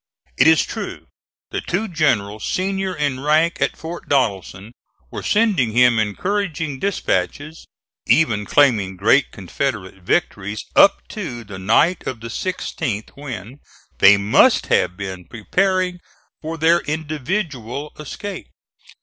It is true, the two generals senior in rank at Fort Donelson were sending him encouraging dispatches, even claiming great Confederate victories up to the night of the 16th when they must have been preparing for their individual escape.